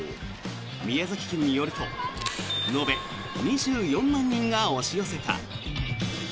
宮崎県によると延べ２４万人が押し寄せた。